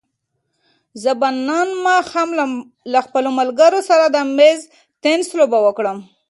زه به نن ماښام له خپلو ملګرو سره د مېز تېنس لوبه وکړم.